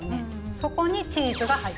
そこにチーズが入ってくる。